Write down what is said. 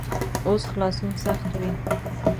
اوس خلاصون سخت وي.